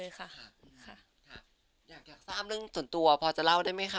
อยากหาเล่นเกี่ยวกับเรื่องสนตัวพอจะเล่าได้ไหมค่ะ